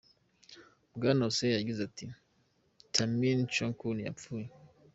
Bwana Hossain yagize ati: " Tamim Chowdhury yapfuye.